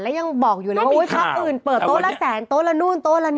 และยังบอกอยู่แล้ววี้ยไทยเปิดโต๊ะละแสงโต๊ะละนู้นโต๊ะลานี้